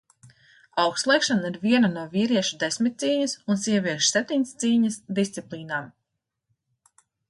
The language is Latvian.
Augstlēkšana ir viena no vīriešu desmitcīņas un sieviešu septiņcīņas disciplīnām.